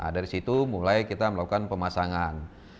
dari situ mulai kita melakukan pemasangan